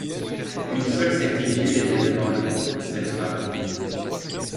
Une seule certitude était devant lui, cette femme.